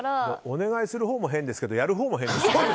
お願いするほうも変ですけどやるほうも変ですよ。